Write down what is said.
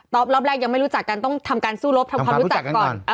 รอบแรกยังไม่รู้จักกันต้องทำการสู้รบทำความรู้จักก่อน